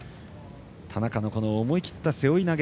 田中の思い切った背負い投げ